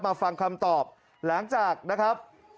ฟังคำตอบหลังจากนะครับ